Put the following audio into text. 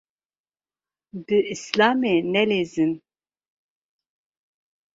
Bi Îslamê nelîzin.